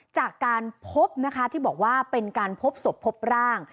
จากการพบนะคะที่บอกว่าเป็นการพบศพพบร่าง